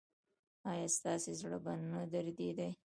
ایا ستاسو زړه به نه دریدي؟